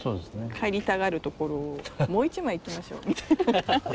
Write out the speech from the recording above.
帰りたがるところを「もう一枚いきましょう」みたいな感じで。